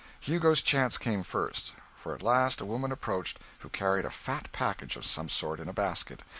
Hugo's chance came first. For at last a woman approached who carried a fat package of some sort in a basket.